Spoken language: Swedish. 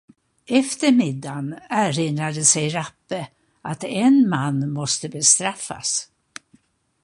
Efter middagen erinrade sig Rappe att en man måste bestraffas.